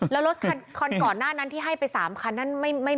แล้วรถคันก่อนหน้านั้นที่ให้ไป๓คันนั้น